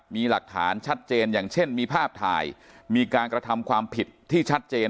มีหลักฐานชัดเจนอย่างเช่นมีภาพถ่ายมีการกระทำความผิดที่ชัดเจน